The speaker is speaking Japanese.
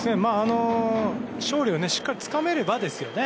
勝利をしっかりつかめれば、ですよね。